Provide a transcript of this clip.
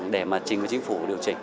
để mà chính phủ điều chỉnh